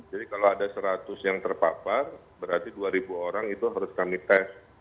jadi kalau ada seratus yang terpapar berarti dua orang itu harus kami tes